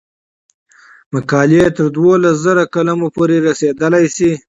مقالې تر دولس زره کلمو پورې رسیدلی شي.